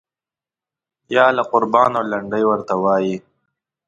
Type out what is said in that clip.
یاله قربان او لنډۍ ورته وایي.